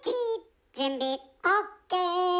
準備ＯＫ！